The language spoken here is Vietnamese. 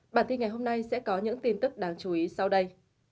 bản tin ngày hôm nay sẽ có những tin tức đáng chú ý sau đây